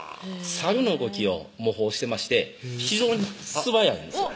猿の動きを模倣してまして非常に素早いんですよ